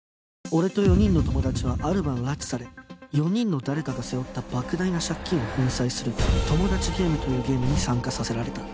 俺と４人の友達はある晩拉致され４人の誰かが背負った莫大な借金を返済するトモダチゲームというゲームに参加させられた